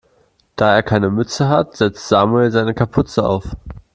Da er keine Mütze hat, setzt Samuel seine Kapuze auf.